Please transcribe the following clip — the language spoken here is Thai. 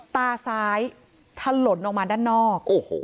ตาซ้ายถล่นออกมาด้านนอก